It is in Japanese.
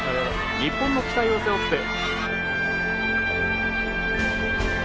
日本の期待を背負って。